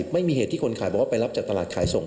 ไม่มีเหตุที่คนขายบอกว่าไปรับจากตลาดขายส่ง